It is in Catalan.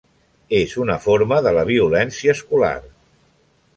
És una forma de la violència escolar.